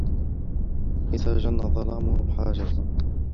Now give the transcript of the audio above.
إذَا جَنَّ الظَّلَامُ حَاجَةٌ